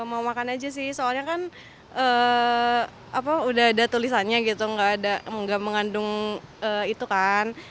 mau makan aja sih soalnya kan udah ada tulisannya gitu nggak mengandung itu kan